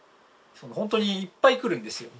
本当にいっぱい来るんですよ。